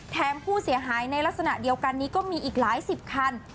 ผู้เสียหายในลักษณะเดียวกันนี้ก็มีอีกหลายสิบคัน